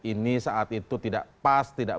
ini saat itu tidak pas tidak